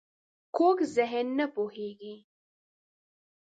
کوږ ذهن نه پوهېږي